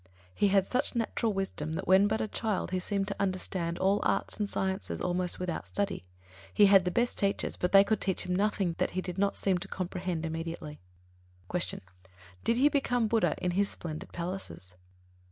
He had such natural wisdom that when but a child he seemed to understand all arts and sciences almost without study. He had the best teachers, but they could teach him nothing that he did not seem to comprehend immediately. 26. Q. _Did he become Buddha in his splendid palaces?